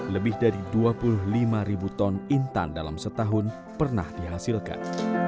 lebih dari dua puluh lima ribu ton intan dalam setahun pernah dihasilkan